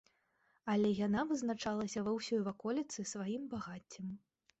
Але яна вызначалася ва ўсёй ваколіцы сваім багаццем.